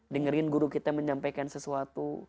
dengerin guru kita menyampaikan sesuatu